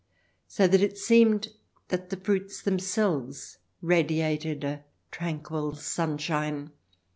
So that it seemed that the fruits themselves radiated a tranquil sun shine.